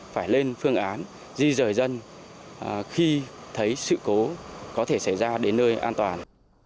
phải lên phương án di rời dân khi thấy sự cố có thể xảy ra đến nơi an toàn